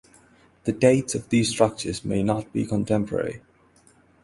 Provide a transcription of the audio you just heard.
The dates of these structures may not be contemporary.